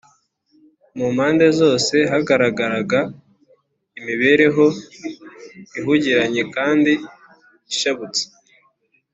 mu mpande zose hagaragaraga imibereho ihugiranye kandi ishabutse